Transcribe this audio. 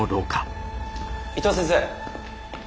伊藤先生。